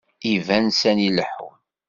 Iban sani leḥḥun.